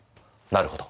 なるほど。